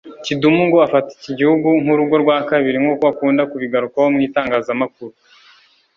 Kidumu ngo afata iki gihugu nk’urugo rwa kabiri nk’uko akunda kubigarukaho mu itangazamakuru